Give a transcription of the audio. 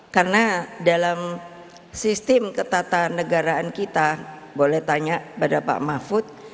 karena dalam sistem ketataan negaraan kita boleh tanya pada pak mahfud